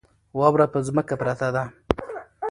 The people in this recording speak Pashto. واوره په ځمکه پرته ده.